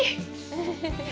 フフフフフ。